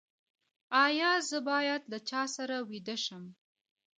ایا زه باید له چا سره ویده شم؟